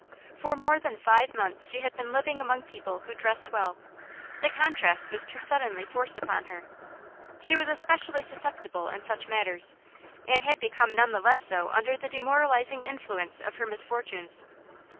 For more than five months she had been living among people who dressed well; the contrast was too suddenly forced upon her. She was especially susceptible in such matters, and had become none the less so under the demoralising influence of her misfortunes.